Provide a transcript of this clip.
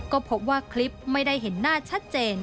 ก็พบว่าคลิปไม่ได้เห็นหน้าชัดเจน